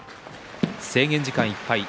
制限時間いっぱいです。